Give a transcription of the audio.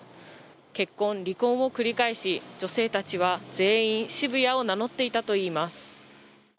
結婚、離婚を繰り返し、女性たちは全員、渋谷を名乗っていたといいます。